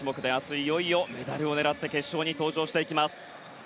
いよいよ、メダルを狙って決勝に進出していきます。